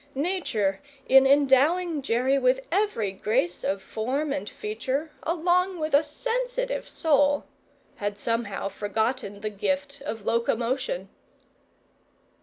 Nature, in endowing Jerry with every grace of form and feature, along with a sensitive soul, had somehow forgotten the gift of locomotion.